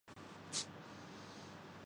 تعلیم کے لیے ایک بجٹ مختص کیا جاتا ہے